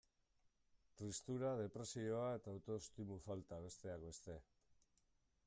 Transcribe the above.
Tristura, depresioa eta autoestimu falta, besteak beste.